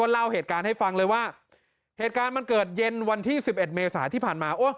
เล่าเหตุการณ์ให้ฟังเลยว่าเหตุการณ์มันเกิดเย็นวันที่๑๑เมษาที่ผ่านมา